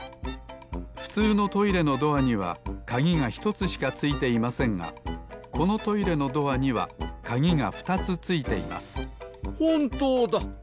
ふつうのトイレのドアにはかぎが１つしかついていませんがこのトイレのドアにはかぎが２つついていますほんとうだ！